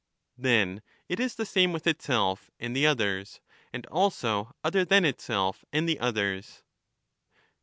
Then it is the same with itself and the others, and also the same other than itself and the others.